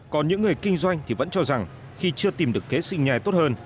còn những người kinh doanh thì vẫn cho rằng khi chưa tìm được kế sinh nhai tốt hơn